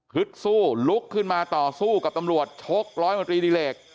สู้ลุกขึ้นมาต่อสู้กับตำรวจชกร้อยมตรีดิเลก